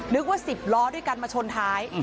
นึกว่า๑๐ล้อด้วยกันมาชนท้าย